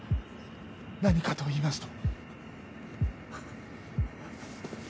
何かと言いますと？